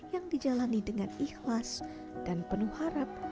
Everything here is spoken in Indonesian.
yang dijalani dengan ikhlas dan penuh harap